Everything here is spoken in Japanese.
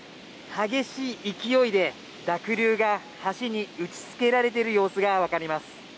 激しい勢いで濁流が橋に打ちつけられている様子がわかります。